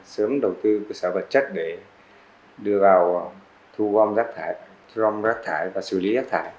sớm đầu tư cơ sở vật chất để đưa vào thu gom rác thải và xử lý rác thải